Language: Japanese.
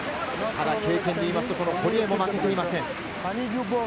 経験で言いますと、堀江も負けていません。